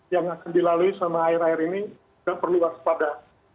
yang akan dilalui sama air air ini tidak perlu waspada